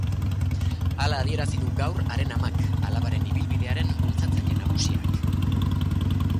Hala adierazi du gaur haren amak, alabaren ibilbidearen bultzatzaile nagusiak.